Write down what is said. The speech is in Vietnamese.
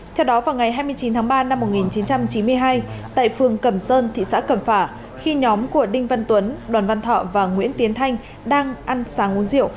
theo đó vào ngày hai mươi chín tháng ba năm một nghìn chín trăm chín mươi hai tại phường cẩm sơn thị xã cẩm phả khi nhóm của đinh văn tuấn đoàn văn thọ và nguyễn tiến thanh đang ăn sáng uống rượu